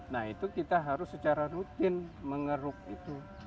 nah itu kita harus secara rutin mengeruk itu